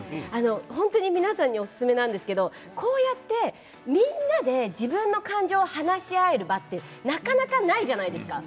本当に皆さんにおすすめなんですけどこうやって、みんなで自分の感情を話し合える場ってなかなかないじゃないですか。